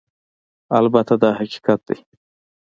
البته دا حقیقت دی